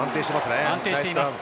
安定してますね。